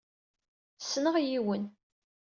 Ssneɣ yiwen.